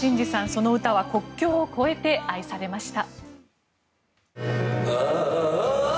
その歌は国境を超えて愛されました。